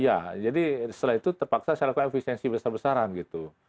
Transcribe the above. ya jadi setelah itu terpaksa saya lakukan efisiensi besar besaran gitu